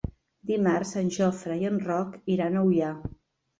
Dimarts en Jofre i en Roc iran a Ullà.